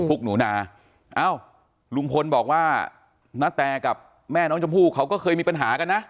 หนูนาเอ้าลุงพลบอกว่าณแตกับแม่น้องชมพู่เขาก็เคยมีปัญหากันนะ